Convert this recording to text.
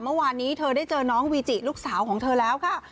เมื่อวานนี้เธอได้เจอน้องวีจิลูกสาวของเธอแล้วค่ะ